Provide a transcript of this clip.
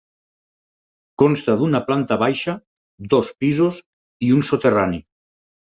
Consta d'una planta baixa, dos pisos i un soterrani.